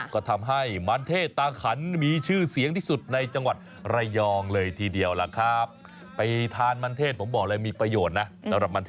ก็ทำให้มันเทศตาขันมีชื่อเสียงที่สุดในจังหวัดระยองเลยทีเดียวล่ะครับ